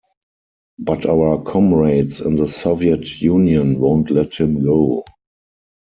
But our comrades in the Soviet Union won't let him go.